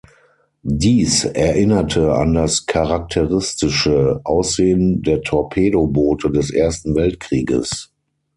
Dies erinnerte an das charakteristische Aussehen der Torpedoboote des Ersten Weltkrieges.